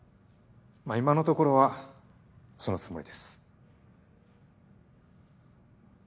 まぁ今のところはそのつもりです。